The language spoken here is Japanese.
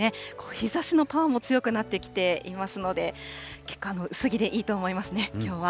日ざしのパワーも強くなってきていますので、結構、薄着でいいと思いますね、きょうは。